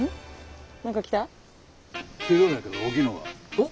おっ！